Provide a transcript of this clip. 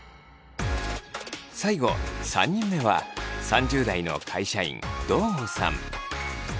最後３人目は３０代の会社員堂後さん。